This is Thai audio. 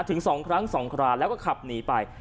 ถึง๒ครั้ง๒คราแล้วก็ขับหนีไป